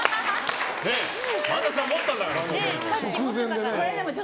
萬田さんは持ったんだから！